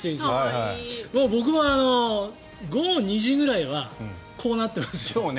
僕も午後２時ぐらいはこうなってますよ。